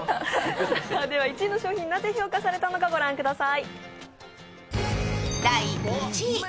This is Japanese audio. １位の商品なぜ評価されたのか御覧ください。